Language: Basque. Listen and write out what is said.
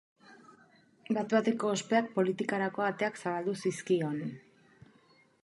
Bat-bateko ospeak politikarako ateak zabaldu zizkion.